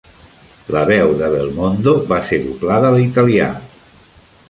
La veu de Belmondo va ser doblada a l'italià.